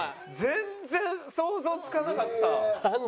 全然想像つかなかった。